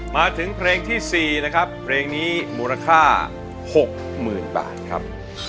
มาถึงเพลงที่๔นะครับเพลงนี้มูลค่า๖๐๐๐บาทครับ